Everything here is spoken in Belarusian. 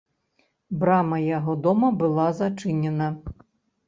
Брама яго дома была зачынена.